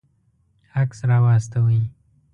عکس راواستوئ